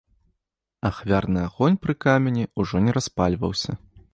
Ахвярны агонь пры камені ўжо не распальваўся.